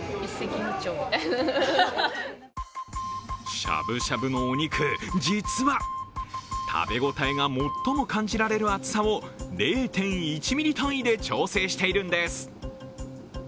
しゃぶしゃぶのお肉、実は食べ応えが最も感じられる厚さを０．１ｍｍ単位で調整しているんです。